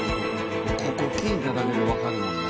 ここ聴いただけでわかるもんな